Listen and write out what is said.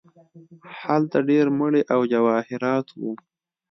هلته ډیر مړي او جواهرات وو.